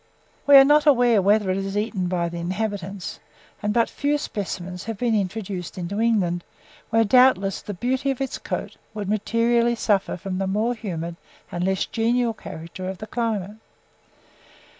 We are not aware whether it is eaten by the inhabitants, and but few specimens have been introduced into England, where, doubtless, the beauty of its coat would materially suffer from the more humid and less genial character of the climate.